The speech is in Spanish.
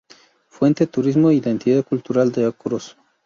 Fuente:Turismo e Identidad Cultural de Ocros.